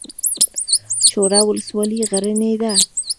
چوره ولسوالۍ غرنۍ ده؟